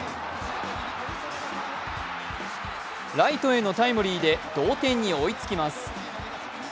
ライトへのタイムリーで同点に追いつきます。